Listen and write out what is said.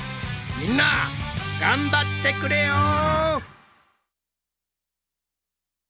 みんな頑張ってくれよ！